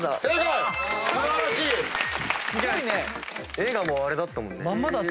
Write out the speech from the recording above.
映画もあれだったもんね。